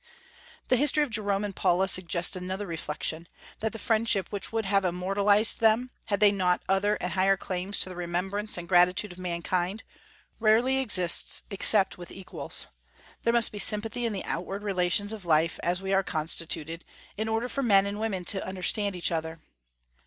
The history of Jerome and Paula suggests another reflection, that the friendship which would have immortalized them, had they not other and higher claims to the remembrance and gratitude of mankind, rarely exists except with equals. There must be sympathy in the outward relations of life, as we are constituted, in order for men and women to understand each other.